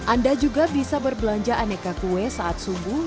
anda juga bisa berbelanja aneka kue saat subuh